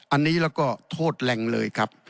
อันนี้แล้วก็โทษแรงเลยครับ